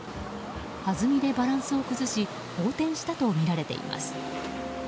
はずみでバランスを崩し横転したとみられています。